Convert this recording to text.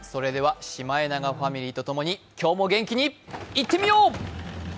シマエナガファミリーとともに今日も元気にいってみよう。